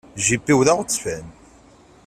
Jip-iw d aɣezfan.